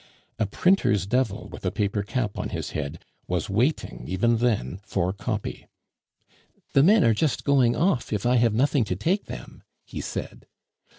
A printer's devil, with a paper cap on his head, was waiting even then for copy. "The men are just going off, if I have nothing to take them," he said.